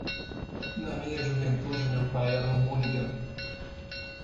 Na minha juventude, meu pai era um hooligan.